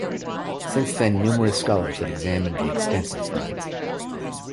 Since then numerous scholars have examined the extensive finds.